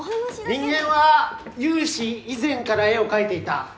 人間は有史以前から絵を描いていた。